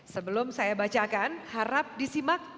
sebelum saya bacakan harap disimak